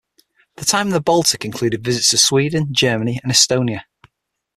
The time in the Baltic included visits to Sweden, Germany and Estonia.